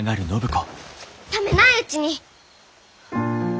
冷めないうちに！